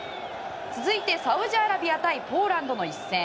続いて、サウジアラビア対ポーランドの一戦。